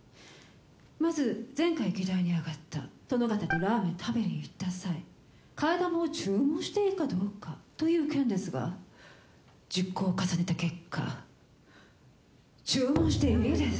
まず前回議題にあがった殿方とラーメン食べに行った際替え玉を注文していいかどうかという件ですが熟考を重ねた結果注文していいです。